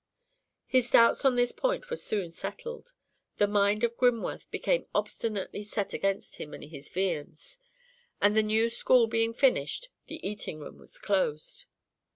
His doubts on this point were soon settled. The mind of Grimworth became obstinately set against him and his viands, and the new school being finished, the eating room was closed.